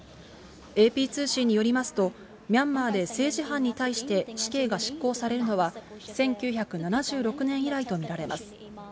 ＡＰ通信によりますと、ミャンマーで政治犯に対して死刑が執行されるのは、１９７６年以来と見られます。